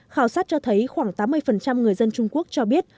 khảo sát cho thấy khoảng tám mươi người dân trung quốc cho biết